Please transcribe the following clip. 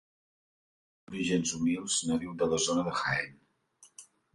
D'orígens humils, nadiu de la zona de Jaén.